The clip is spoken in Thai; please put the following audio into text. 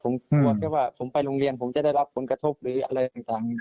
ผมกลัวแค่ว่าผมไปโรงเรียนผมจะได้รับผลกระทบหรืออะไรต่าง